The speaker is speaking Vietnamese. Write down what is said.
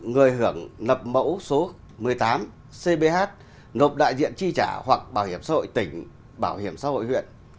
người hưởng lập mẫu số một mươi tám cbh ngộp đại diện chi trả hoặc bảo hiểm xã hội tỉnh bảo hiểm xã hội huyện